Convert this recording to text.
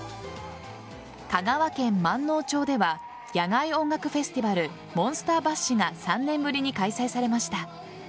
香川県まんのう町では野外音楽フェスティバルモンスターバッシュが３年ぶりに開催されました。